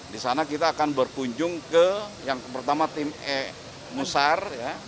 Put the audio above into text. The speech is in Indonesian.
di sana kita akan berkunjung ke yang pertama tim e musar